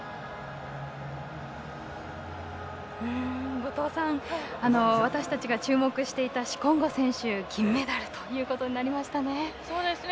後藤さん私たちが注目していたシコンゴ選手、銀メダルということになりましたね。